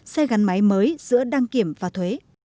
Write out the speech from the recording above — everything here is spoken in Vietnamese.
xe gắn máy mới giữa đăng kiểm và thuế